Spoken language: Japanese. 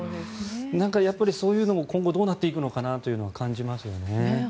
なんかそういうのも今後どうなっていくのかなと感じますよね。